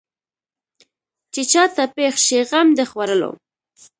چې چا ته پېښ شي غم د خوړلو.